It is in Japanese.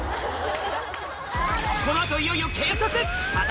この後いよいよ計測！